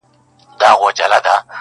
د ميني داغ ونه رسېدی,